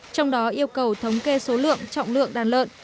trong đó yêu cầu thống kê số lượng trọng lượng đàn lợn